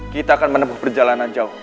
kita akan menempuh perjalanan jauh